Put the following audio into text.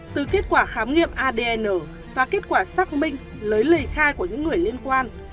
từ kết quả khám nghiệm adn và kết quả xác minh lấy lời khai của những người liên quan